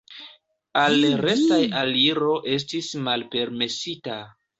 Al restaj aliro estis malpermesita.